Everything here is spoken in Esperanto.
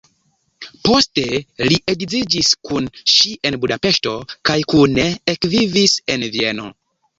Poste li edziĝis kun ŝi en Budapeŝto kaj kune ekvivis en Vieno.